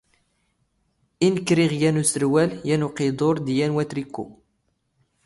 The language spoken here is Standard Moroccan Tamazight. ⵉ ⵏⴽⴽ ⵔⵉⵖ ⵢⴰⵏ ⵓⵙⵔⵡⴰⵍ, ⵢⴰⵏ ⵓⵇⵉⴷⵓⵔ ⴷ ⵢⴰⵏ ⵡⴰⵜⵔⵉⴽⵓ.